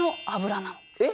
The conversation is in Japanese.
えっ！